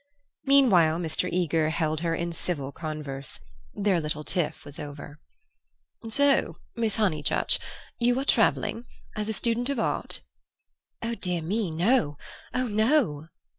Meanwhile Mr. Eager held her in civil converse; their little tiff was over. "So, Miss Honeychurch, you are travelling? As a student of art?" "Oh, dear me, no—oh, no!"